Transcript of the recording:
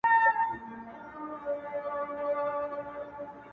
د زړه رگونه مي د باد په هديره كي پراته!!